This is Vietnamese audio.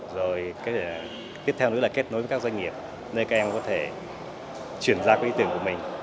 rồi tiếp theo nữa là kết nối với các doanh nghiệp nơi các em có thể chuyển ra ý tưởng của mình